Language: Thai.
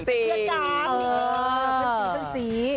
เณียดกอด